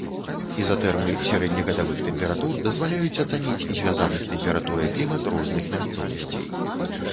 Ізатэрмы сярэднегадавых тэмператур дазваляюць ацаніць звязаны з тэмпературай клімат розных мясцовасцей.